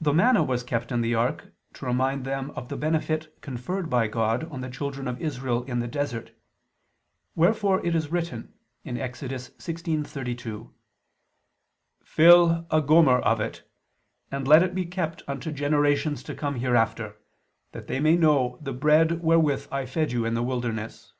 The manna was kept in the ark to remind them of the benefit conferred by God on the children of Israel in the desert; wherefore it is written (Ex. 16:32): "Fill a gomor of it, and let it be kept unto generations to come hereafter, that they may know the bread wherewith I fed you in the wilderness."